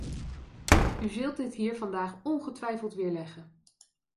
U zult dit hier vandaag ongetwijfeld weerleggen.